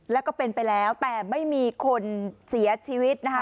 แล้วก็เป็นไปแล้วแต่ไม่มีคนเสียชีวิตนะคะ